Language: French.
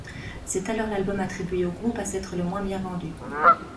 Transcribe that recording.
C'est alors l'album attribué au groupe à s'être le moins bien vendu.